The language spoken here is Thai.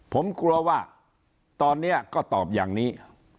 ผมกลัวว่าตอนนี้ก็ตอบอย่างนี้